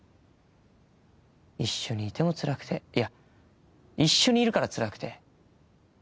一緒にいても辛くていや一緒にいるから辛くて。